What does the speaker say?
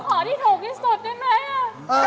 ขอที่ถูกที่สุดได้ไหม